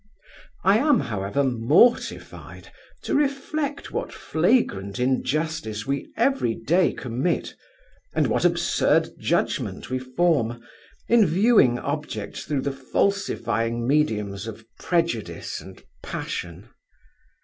I am, however, mortified to reflect what flagrant injustice we every day commit, and what absurd judgment we form, in viewing objects through the falsifying mediums of prejudice and passion.